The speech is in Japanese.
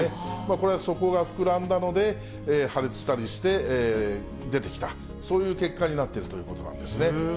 これはそこが膨らんだので破裂したりして出てきた、そういう結果になっているということなんですね。